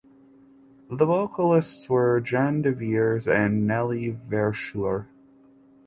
The vocalists were Jan de Vries and Nelly Verschuur.